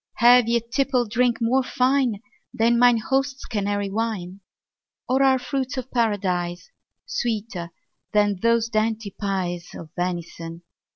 Have ye tippled drink more fine Than mine host's Canary wine? Or are fruits of Paradise Sweeter than those dainty pies Of venison?